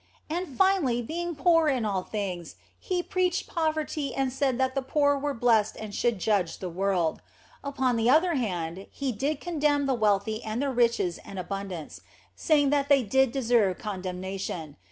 And finally, being poor in all things, He preached poverty and said that the poor were blessed and should judge the world. Upon the other hand He did condemn the wealthy and their riches and abundance, saying that they did deserve condemnation.